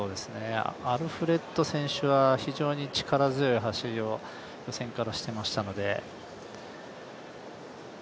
アルフレッド選手は非常に力強い走りを予選からしていましたので。